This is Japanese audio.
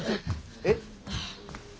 えっ。